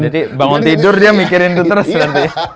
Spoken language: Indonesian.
jadi bangun tidur dia mikirin itu terus nanti